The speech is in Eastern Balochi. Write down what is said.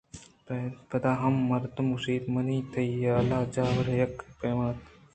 پدا ہما مَردءَگوٛشت منیءُ تئی حالءُ جاور یکّ پیم اَنت